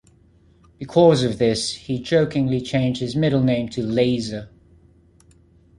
Because of this, he jokingly changed his middle name to "Lazer".